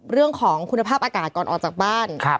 เรื่องของคุณภาพอากาศก่อนออกจากบ้าน